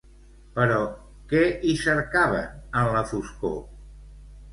Però, què hi cercaven en la foscor?